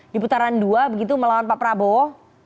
di putaran dua begitu melawan pak prabowo